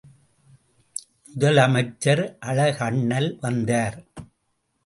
முதல் அமைச்சர் அழகண்ணல் வந்தார்.